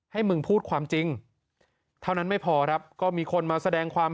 ให้มึงพูดความจริงเท่านั้นไม่พอครับก็มีคนมาแสดงความ